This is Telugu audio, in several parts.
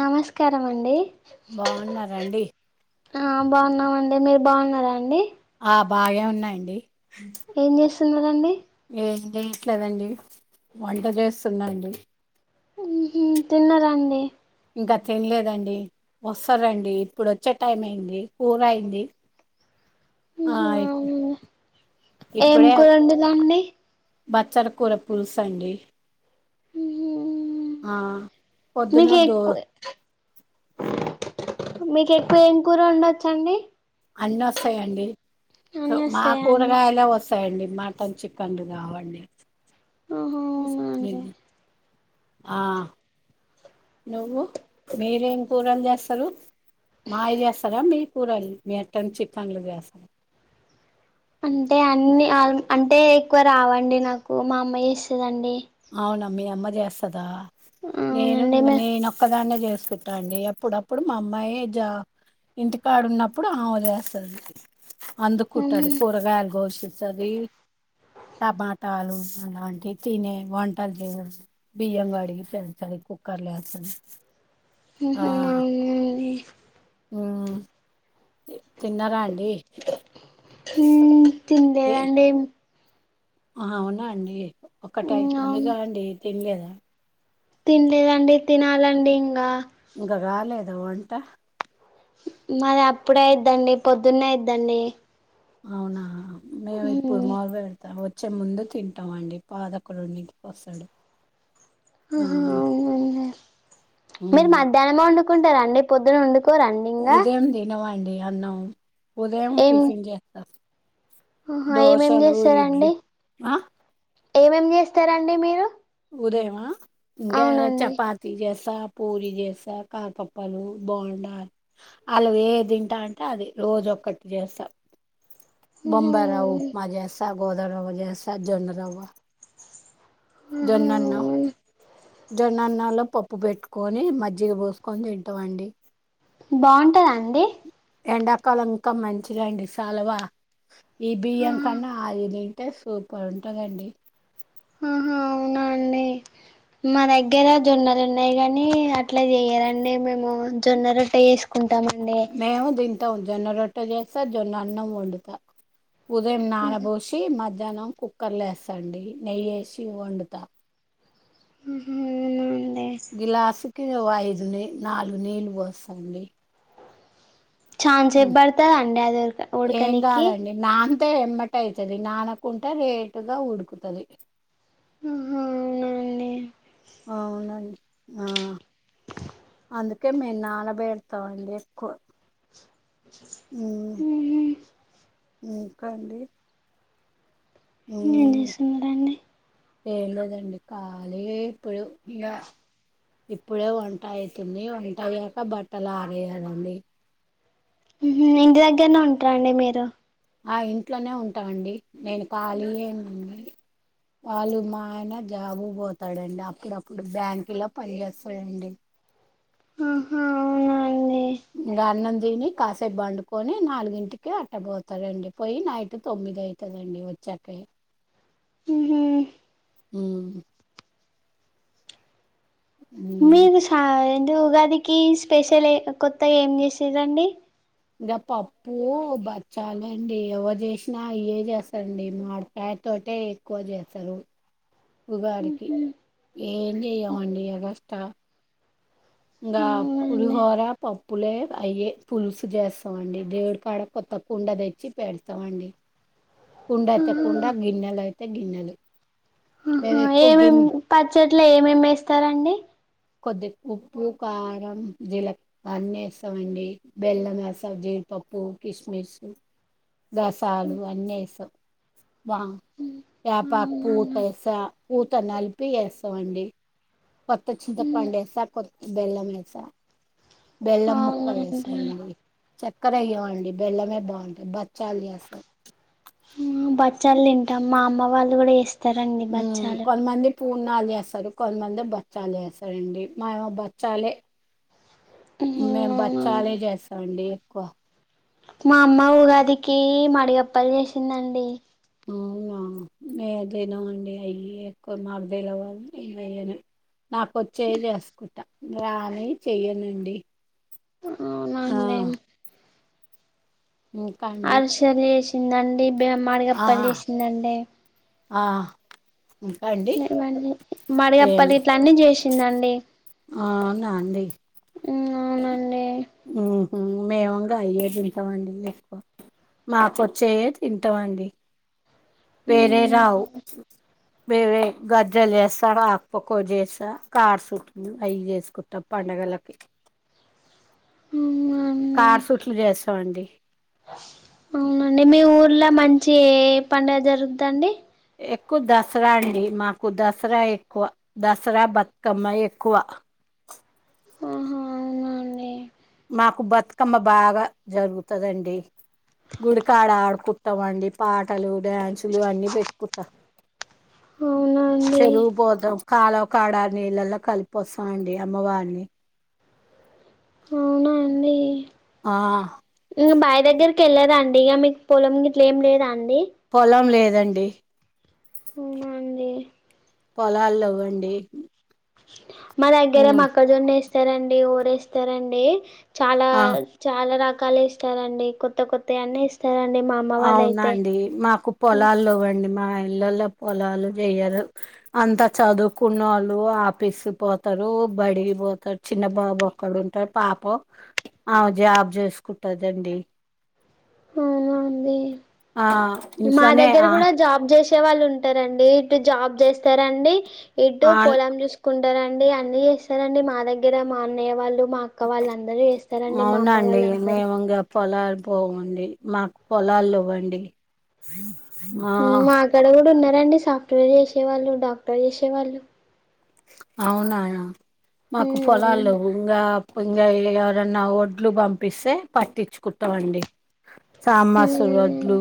నమస్కారం అండి బాగున్నారండి ఆ బాగున్నామండి మీరు బావున్నారా అండి ఆ బాగే ఉన్నాయండి ఏం చేస్తున్నరండి ఏం చేయట్లేదండి వంట చేస్తున్న అండి ఉహు తిన్నారా అండి ఇంకా తినలేదండి వస్తారండి ఇప్పుడు వచ్చే టైం అయింది కూర అయింది ఉహు ఆయి అవునండి ఏం ఇప్పుడే కూర వండిల్లండి బచ్చర కూర పులుసు అండి ఉహు మ్మ్ ఆ పొద్దున మీకే దో కు మీకు ఎక్కువ ఏం కూర వండొచ్చండి అన్ని వస్తయండి అన్నీ మా వస్తాయా అండి కూరగాయలే వస్తా స్తాయండి మటన్ చికెన్లు రావండి ఆహా అవునా అండి ఆ నువ్వు మీరేం కూరలు జేస్తరు మాయి జేస్తరా మీ కూరల్ మటన్ చికన్లు గానీ అంటే అన్ని ఆల్ అంటే ఎక్కువ రావండి నాకు మా అమ్మా చేస్తదండి అవున మీ అమ్మ చేస్తదా నేను అవునండి మే నేను ఒక్కదాన్నే చేసుకుంటా అండి అప్పుడప్పుడు మా అమ్మాయే జా ఇంటికాడున్నప్పుడు ఆమె చేస్తది ఉహు అందుకుంటది కూరగాయలు గోషి వస్తది టమాటాలు అలాంటి తినే వంటలు చేయి బియ్యం కడికి పెడతది కుక్కర్ లేస్తది ఉహు మ్మ్ తిన్నారా అండి తిన్లేదండి అహ అవునా అండి ఉమ్ అవును ఒకటయితుందిగా అండి తిన లేదా తినలేదండి తినాలండి ఇంగా ఇంకా గాలేదా వంట మాది అప్పుడే ఐద్దండి పొద్దున్నే ఐద్దండి అవునా మేము ఇప్పుడు మార్వే వెళ్తాం [unintelligible] కొంచెం ముందు తింటామండి పావుదొక్క రెండింటికి వస్తడు ఆ ఆహా అవునండి మీరు మ్మ్ మధ్యానమే వండుకుంటరండి పొద్దున వండుకో రండి ఇంగ అండి అన్నం ఉదయం టిఫిన్ జేస్తా ఆహా ఏమేం చేస్తరండి ఆ ఏమేం చేస్తారండి మీరు ఉదయమా గా అవునండి చపాతి జెస్ దోష పూరి చేస్తా కాపప్పలు బోండా వాళ్లు ఏ తింటా అంటే అది రోజు ఒకటి చేస్తా బంబారవు ఉపమా జెసా గోదమరావాజెసా జొన్న రావా జన్నన్నా జొడాన్నల్లో పప్పు పెట్టుకొని మజ్జిగ పోసుకొని తింటామండి బాగుంటదా అండి ఎండాకాలం ఇంకా మంచిదండి చలవా ఈ బియ్యం కన్నా ఆ ఇది అంటే సూపర్ ఉంటందండి ఆహా అవున అండి మా దగ్గర జొన్నలు ఉన్నాయి కాని అట్లా చేయ్యారండి మేము జొన్న రొట్ట చేసుకుంటా మేము దింటాం జొన్న రొట్ట చేస్తా జొన్న అన్నం వండుతా ఉదయం ఆహా నానబోసి మధ్యాహ్నం కుక్కర్లు వేస్తండి నెయ్యివేసి వండుతా ఉమ్ గ్లాసుకి ఐదు ని నాలుగు నీళ్ళు పోస్తాండి ఛాన్ సేపు ఉమ్. చెప్పబడది అండి అది ఉడకనీనికి ఉడికితే ఏమంటే అయితది నానకుంటె లేటుగా ఉుడ్కుతాది ఆ అవునండి అవునండి ఆ అందుకే మేము నానబేడతామండి ఎక్కువ ఉమ్ అండి ఏం ఉమ్, చేస్తున్నారండి ఏం లేదండి ఖాళీగా ఏ పోయు ఇగ ఇప్పుడే వంట అవుతుంది వంట అయ్యాక బట్టలు ఆరెయలండి ఇంటి దగ్గరనే ఉంటారండి మీరు ఆ ఇంట్లోనే ఉంటాండి నేను కాలి ఎమ్ వాళ్ళు మాయన జాబు పోతాడండి అప్పుడప్పుడు బ్యాంకి లో పనిచస్తాడండి ఆహా అవును ఇగ అన్నం దిని కాసేపు బండుకొని నాలుగింటికి అట్ట పోతాారండి పోయి నైట్ తొమ్మిది ఐతదండి వ చెర్కి ఊ హు ఊ ఉమ్ మీరు సా ఏంటి ఉగాదికి స్పెషల్ కొత్తగా ఏం చేసిర్రాండి ఇంగా పప్పు బచ్చాలండి ఎవరు చేసినా అయ్యే చేస్తారండి మాడ్ కాయ తోటే ఎక్కువ చేస్తారు ఉగాదికి ఏం చెయవండి ఎగాస్టా ఇంగా అవునండి పులిహోర పప్పులే అయే పులుసు జేస్తామండి దేవుడికడ కొద్ కుండ తెచ్చి పెడతామండి కుండ అయితే కుండ గిన్నెలు అయితే గిన్నెలు ఆహ మేము ఎక్కువ ఏమేమి గిన్నె పచ్చట్ల ఏమేమి వేస్తారండి కొద్ది ఉప్పు కారం జీలక్ అన్నీ వేస్తామండి బెల్లం వేస్తా జ పప్పు కిస్మిసు రసాలు అన్నేస్తాం వా ఏపాకు పూత అవునా వేస్తా పఊత నలిపి వేస్తామండి కొత్త చింతప్పండెస కొత్త బెల్లమేస బెల్ల ముక్క వేసం అవునండి మళ్ళీ చక్కర వేయంఆండీ బెల్లమే బాగుంటాయి బచ్చాలు చేస్తాం బచ్చళు తింటాం మా అమ్మ వాళ్ళు కూడా చే ఉ కొంత మంది పూర్నాలు చేస్తారు కొంతమంది బచ్చాలు చేస్తారండి మాఅమ్మ బచ్చాలే మేము అవునండి బచ్చాలే చేస్తామండి ఎక్కువ మా అమ్మ ఉగాదికి మడు గప్పలు చేసిందండి ఏ అవునా మేమ్ తినం అండి అయి ఎక్కువ దెలువదు మేము వెయ్యం నాకొచ్చేవి చేసుకుంటా రాని చెయ్యనండి ఆ అవునాండి ఇంక అండి ఇదండి ఆ బేమాడిగప్పలు చేసిందండి ఆ ఇంకా అండి లెవండి మడిగప్పలి ఇట్లన్నీ చేసిందండి ఆ అవునా అండీ అవునండి ఉమ్ మేము అయ్యే దింట మండి ఎక్కువ మాకోచ్చే యే తింటామండి వేరే రావ్ వేరే గజ్జల్ చేస ఆక్పోకోవ చేస కార్ చుట్ అయి చేసుకుంటా ప పండగలకి ఉమ్మా కార్ సుట్లు చేస్తామండి అవునండి మీ ఊర్లో మంచి ఎ పండుగ జరుగుద్దాండి ఎక్కువ దసరా అండి మాకు దసరా ఎక్కువ దసరా బతుకమ్మ ఎక్కువ ప్చ్ అవునండి మాకు బతుకమ్మ బాగా జరుగుతదండి గుడికాడ ఆడుకుంటాం అండి పాటలు డ్యాన్సులు అన్నీ పెట్టుకుంటాం అవునా [inaudible] అండి చెరువుపోతాం కాలవ కాడ నీళ్లలో కలిపోస్తాం అండి అమ్మవారిని ఆ ఇగ బాయ్ దగ్గరికి ఎల్లరాండి ఇక మీకు పొలం గిట్ల ఏం లేదాన్ పొలం లేదండి. ఓహో అండి. పొలాల్ లెవ్ అండి. మా దగ్గర మొక్కజొన్న ఏస్తారండి ఓడేస్తారండి చాలా ఆ చాలా ర కాల్ ఏస్తారండి కొత్త కొత్త అన్ని ఏస్త అవునండి మాకు పొలాల్లెవ్ అండి మా ఆ పిల్లల పొలాలు చెయ్యరు. అంత చదువుకునోళ్ళు ఆఫీస్ పోతరు. బడిగికి పోతడ్ చిన్న బాబు ఒక్కడు ఉంటడ్ పాపో ఆ జాబ్ చేస్కుంటదండి. అవునా అండి ఆ మా ఇంట్లోనే దగ్గర ఆ కూడా జాబ్ జెష్ చేసే వాళ్ళు ఉంటరండి ఇటు జాబ్ చేస్తారండి ఇటు ఆల్ పొలం చూస్ కుంటరండి అన్ని చేస్తారండి మా దగ్గర మా అన్నయ్య వాళ్ళు మా అక్క వాళ్ళందరూ చేస్తారండి మా అమ్మ అవునండి వాళ్ళందరూ మేము ఇంగ పొలాలు బాగుండి మాక్ పొలాల్ లేవండి మ్ మాకాడ కూడా ఉన్నరండి సాఫ్ట్వేర్ చేసేవాళ్ళు డాక్టర్ చేసేవాళ్ళు. అవునా మాకు ఉమ్ పొలాలు అవునండి లెవ్వు ఇంగ ఇంగ ఎవరన్న ఒడ్లు పంపిస్తే పట్టిచుకుంటమండి. సామాసుల్ ఉమ్ వడ్లు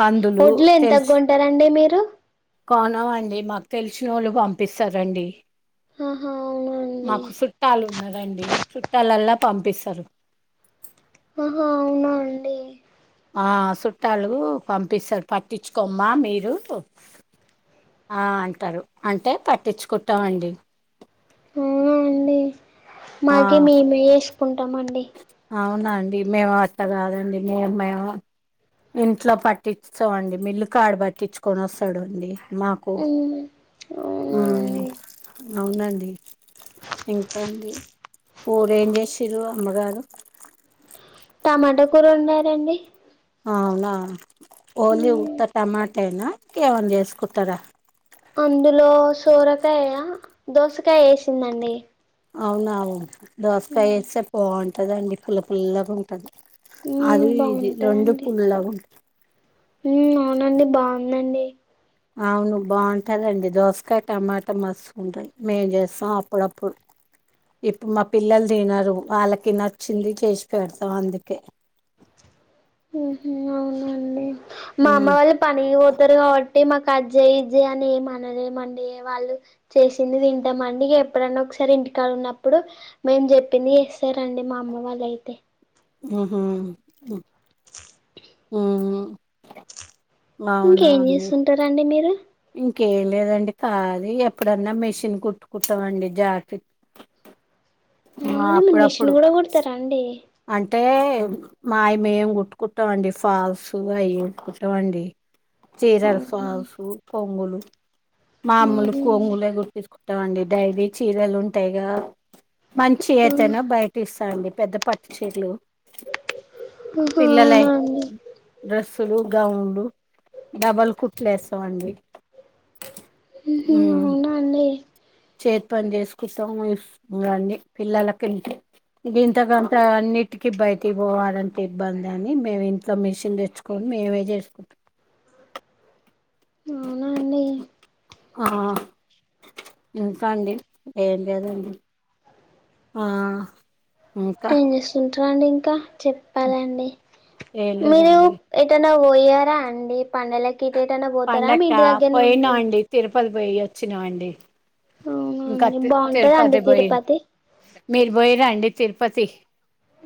కందులు వడ్లు ఎంతకు తెల్చ్ కొంటారండి మీరు కొనమండి మాక్ తెల్సినోళ్ళు పంపిస్తారండి. ఆహా అవునా అండి మాకు సుట్టాలు ఉన్నరండి చుట్టాలల్ల పంపిస్తరు. ఓహో అవునా అండి. ఆ సుట్టాలు పంపిస్తరు పట్టిచుకోమ్మ మీరూ ఆ అంటారు అంటే పట్టిచ్చుకుంటమండి. అవునా అండి ఆ మాకి మేమే చేస్కుంటమండి. అవునా అండి మేము అట్ట కాదండి మేం మేము ఇంట్లో పట్టిచ్కో అండి మిల్లు కాడ పట్టించుకొన్ వస్తడు అండి. మాకు ఉమ్ అవునా మ్ అండి అవునండి. ఇంకా అండి కూరెం చేసిన్రు. అమ్మ గారు టమాటా కూర్ వండారండి. అవునా ఓన్లీ ఉమ్ ఉత్త టమాటేనా ఇంకేమన్న చేస్కుంటరా అందులో సోరకాయ, దోసకాయ్ ఏసిందండి. అవునవు దోసకాయ్ ఏస్తే బాగుంటదండి పుల్ల పుల్లగుంట ఉమ్, అది ఇది రెండు పుల్లగుం మ్ అవునండి బావుందండి. అవును బావుంటదండి దోస్కాయ్ టమాటా మస్తు ఉంటయి మేం చేస్తాం అప్పుడప్పుడ్ ఇప్పుడు మా పిల్లలు తినరు. వాళ్లకి నచ్చింది చేసి పెడ్తాం అందుకే మ్ అవునా అండి మా అమ్మ ఉమ్ వాళ్లు పనికి పోతర్ కాబ డి మాక్ అజ్జెయ్ ఇజ్జెయ్ అని ఏం అనలేమండి. వాళ్లు చేసింది తింటమండి ఇగ ఎప్పుడన్న ఒక ఒకసారి ఇంటికాడున్నప్పుడు మేం చెప్పింది చేస్తారండి. మా అమ్మ వాల్లైతే హ హ్ మ్ అవునా ఇంకేం అండి చేస్తుంటారండి మీరు ఇంకేం లేదండి కాలి ఎప్పుడన్నా మిషిన్ కుట్టుకుంటమండి జాకిట్ ఆ అవునండి మీరు అప్పుడప్పుడు. మిషన్ కూడా కుడతారా అండి అంటే మాయి మేము కుట్టుకుంటమండి. ఫాల్స్ అవి కుట్టుకుంటమండి. చీరల్ అవునా ఫాల్స్ కొంగులు మామూలు కొంగులే గుట్టించు కుంటం అండి డైలీ చీరలుంటైగా మంచి ఐతేనే బయటిస్తా అండి పెద్ద పట్టుచీర్లు పిల్లలై అండి డ్రెస్ లు గౌన్లు డబల్ కుట్లేస్తాం అండి. మ్ హూ అవునా అండి చేతి పని చేసుకుంటాము అండి పిల్లల కంటే ఇది ఇంతకంత అన్నిటికి బయటి పోవాలంటే ఇబ్బంది అని మేము ఇంట్లో మిషన్ తెచ్చుకొని మేమే చేసుకుంటాం అవునా అండి ఆ ఇంకా అండి ఏం లేదండి. ఆ ఇంకా ఏం చేస్తుంటారండి ఇంకా చెప్పాలండి ఏం మీరు లేదండి ఎటన్న పోయారా అండి పండల కి పండగ క పోయినాం అండి తిరుపతి పోయి వచ్చినాం అండి అవునా ఇంకా అండి తి బాగుంటదా అండి తిరుపతి పోయి తిరుపతి మీరు పోయిరా అండి తిరుపతి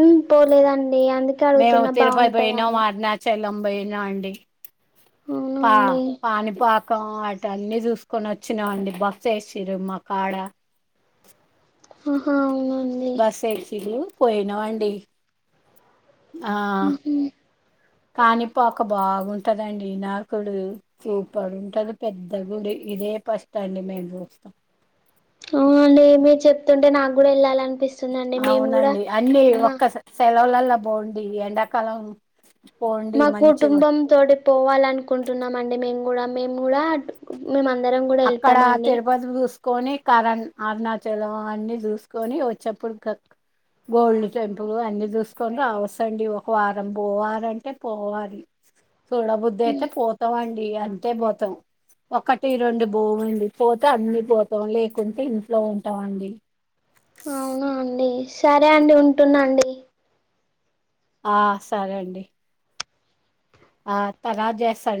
ఉమ్ పోలేదండి అందుకే మేము అడుగుతున్నా తిరుపతి బాగుంటదా పోయినం అని అరుణాచలం పోయినాం అండి అవునా పా అండి పానిపాకం అటు అన్నీ చూసుకొని వచ్చినామండి బస్ వేసిరు మాకా ఆ అహా అవునా బస్ ఎసిల్లు పోయినామండి. ఆ ఉహు పాణిపాకం బాగుంటదండి వినాకుడు చూపర్ ఉంటది పెద్దగుడి ఇదే ఫస్ట్ అండి మేము చూస్తం అవునండి మీరు చెప్తుంటే నాకు కూడా వెళ్ళాలిని అవునండి అన్నీ ఒక్క సెలవులల్ల పోండి ఎండాకాలం పోండి మా మంచిగా కుటుంబం తోటి పోవాల అనుకుంటున్నాం అండి మేము కూడా మేము కూడా మేమందరం కూడా అక్కడ వెళ్తామండి తిరుపతి చూసుకొని కరన్ అరుణాచలం అన్నీ చూసుకొని వచ్చేప్పుడు గోల్డె టెంపుల్ అన్నీ చూసుకొని రావసు అండి ఒక వారం పోవారంటే పోవాలి చూడబుద్ధి అయితే పోతామండి అంతే పోతాం ఒకటి రెండు పొమండి పోతే అన్ని పోతాం లేకుంటే ఇంట్లో ఉంటాం అండి అవునా అండి సరే అండి ఉంటున్నాండి. ఆ సరే అండి ఆ తర్వాత జేస్తా అండి